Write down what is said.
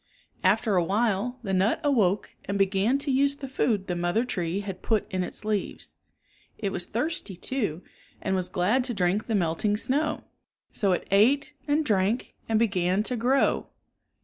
After a while the nut awoke and began to use the food the mother tree had put in its leaves. It was thirsty, too, and was glad to drink the melting snow. So it ate and drank and began to grow.